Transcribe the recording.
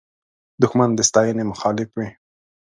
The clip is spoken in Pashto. دښمن د ستاینې مخالف وي